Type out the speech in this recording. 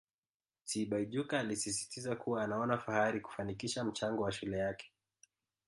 Tibaijuka alisisitiza kuwa anaona fahari kufanikisha mchango wa shule yake